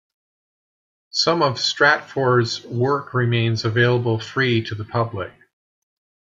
Some of Stratfor's work remains available free to the public.